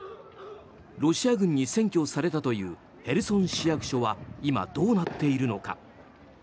ロシア軍に占拠されたというヘルソン市役所は今、どうなっているのか。